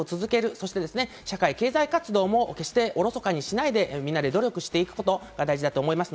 そして社会経済活動も決しておろそかにしないで、みんなで努力していくことが大事だと思います。